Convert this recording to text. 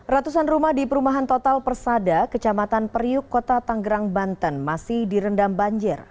ratusan rumah di perumahan total persada kecamatan periuk kota tanggerang banten masih direndam banjir